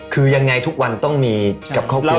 คือยังไงทุกวันต้องมีกับครอบครัว